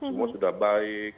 semua sudah baik